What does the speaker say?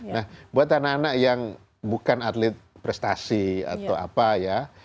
nah buat anak anak yang bukan atlet prestasi atau apa ya